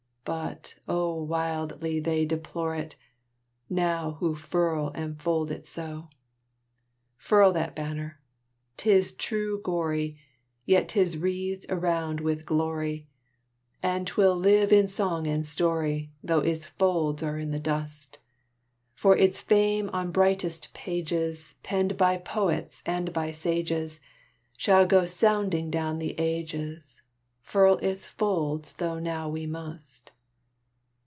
But, oh, wildly they deplore it, Now who furl and fold it so! Furl that Banner! True, 'tis gory, Yet 'tis wreathed around with glory, And 'twill live in song and story Though its folds are in the dust! For its fame on brightest pages, Penned by poets and by sages, Shall go sounding down the ages Furl its folds though now we must!